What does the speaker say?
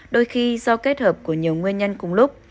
đôi khi do kết hợp của nhiều nguyên nhân cùng lúc